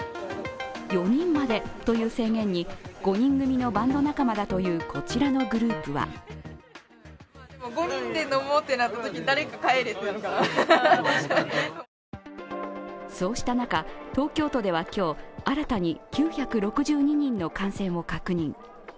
４人までという制限に５人組のバンド仲間だというこちらのグループはそうした中、東京都では今日新たに９６２人の感染を確認。